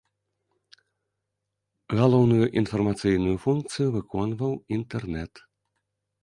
Галоўную інфармацыйную функцыю выконваў інтэрнэт.